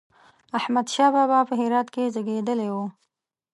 احمد شاه بابا په هرات کې زېږېدلی و